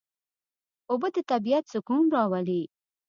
اوبه د طبیعت سکون راولي.